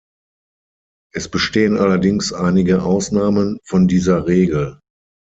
Es bestehen allerdings einige Ausnahmen von dieser Regel.